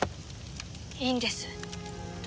いいんです。